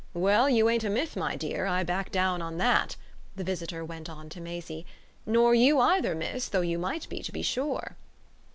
Well, you ain't a myth, my dear I back down on that," the visitor went on to Maisie; "nor you either, miss, though you might be, to be sure!"